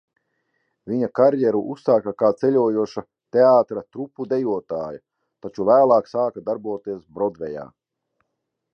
Viņa karjeru uzsāka kā ceļojoša teātra trupu dejotāja, taču vēlāk sāka darboties Brodvejā.